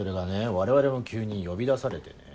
我々も急に呼び出されてね。